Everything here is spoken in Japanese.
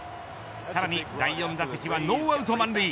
さらに第４打席はノーアウト満塁。